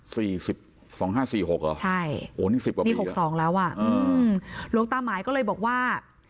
สี่สิบสองห้าสี่หกเหรอโหนี่สิบกว่าปีเหรออืมหลวงตามายก็เลยบอกว่า